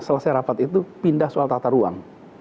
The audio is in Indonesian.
selesai rapat itu pindah soal tata ruang